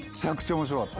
面白かった。